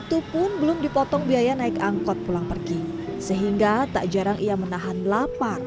itu pun belum dipotong biaya naik angkot pulang pergi sehingga tak jarang ia menahan lapar